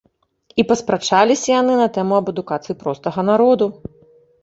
І паспрачаліся яны на тэму аб адукацыі простага народу.